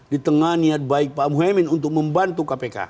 di tengah niat baik pak muhyemin untuk membantu kpk